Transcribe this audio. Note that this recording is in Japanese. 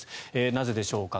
なぜでしょうか。